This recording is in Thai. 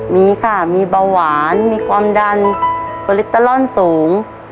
มีค่ะมีเบาหวานมีความดันโอลิปเตอรอนสูง